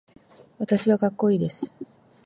私はかっこいいです。